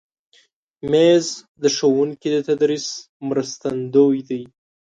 مېز د ښوونکي د تدریس مرستندوی دی.